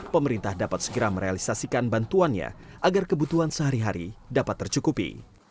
pemerintah dapat segera merealisasikan bantuannya agar kebutuhan sehari hari dapat tercukupi